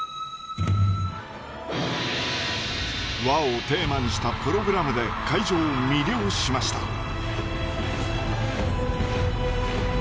「和」をテーマにしたプログラムで会場を魅了しました。